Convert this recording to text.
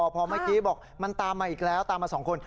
พอเมื่อกี้บอกมันตามมาอีกแล้วตามมา๒คน